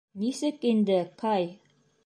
Нисек инде, Кай?